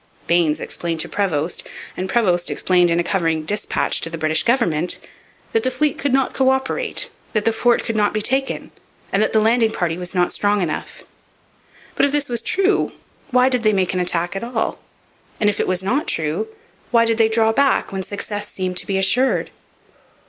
Baynes explained to Prevost, and Prevost explained in a covering dispatch to the British government, that the fleet could not co operate, that the fort could not be taken, and that the landing party was not strong enough. But, if this was true, why did they make an attack at all; and, if it was not true, why did they draw back when success seemed to be assured?